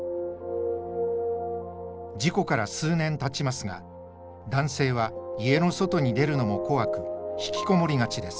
事故から数年たちますが男性は家の外に出るのも怖く引きこもりがちです。